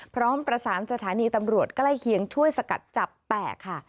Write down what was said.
พร้อมประสานสถานีตำรวจใกล้เคียงช่วยสกัดจับแตกค่ะ